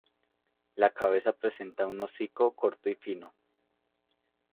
La cabeza presenta un hocico corto y fino.